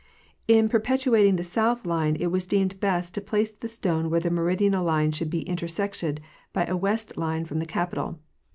In perpetuating the south line it was deemed best to place the stone where the meridian line should be intersected by a west line from the Capitol.